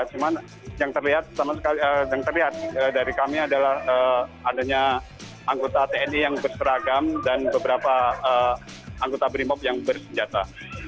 cuma yang terlihat dari kami adalah adanya anggota tni yang berseragam dan beberapa anggota brimob yang bersenjata